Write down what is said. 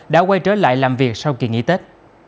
đã quay trở lại làm việc sau kỳ nghỉ tết